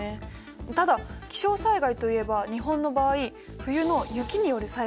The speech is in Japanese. ただ気象災害といえば日本の場合冬の雪による災害雪害もあります。